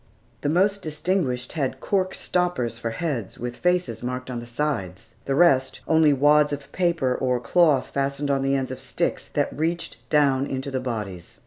The most distinguished had cork stoppers for heads, with faces marked on the sides, the rest, only wads of paper or cloth fastened on the ends of sticks that reached down into the bodies.